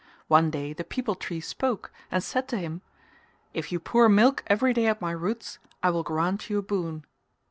One day the peepul tree spoke and said to him "If you pour milk every day at my roots I will grant you a boon."